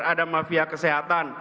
ada mafia kesehatan